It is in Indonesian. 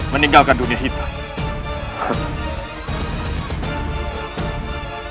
meninggalkan dunia hitam